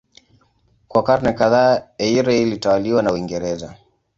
Kwa karne kadhaa Eire ilitawaliwa na Uingereza.